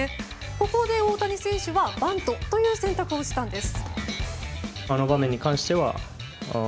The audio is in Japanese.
ここで、大谷選手はバントという選択をしたんです。